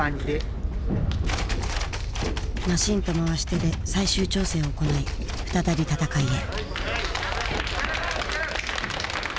マシンと回し手で最終調整を行い再び戦いへ。